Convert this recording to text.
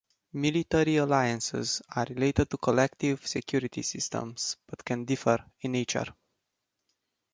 Military alliances are related to collective security systems but can differ in nature.